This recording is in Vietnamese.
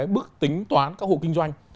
bước tính toán các hộ kinh doanh